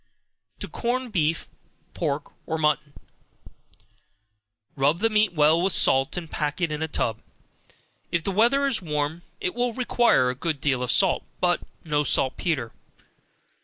To Corn Beef, Pork or Mutton. Rub the meat well with salt, and pack it in a tub. If the weather is warm, it will require a good deal of salt, but no saltpetre.